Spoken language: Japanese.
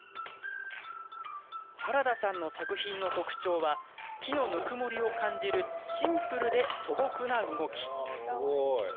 原田さんの作品の特徴は木のぬくもりを感じるシンプルで素朴な動き。